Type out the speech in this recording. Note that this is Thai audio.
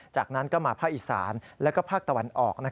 จากนั้นก็มาภาคอีสานและภาคตะวันออก